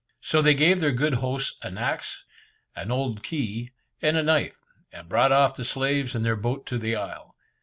So they gave their good hosts an axe, an old key, and a knife, and brought off the slaves in their boat to the isle.